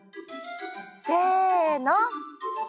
せの！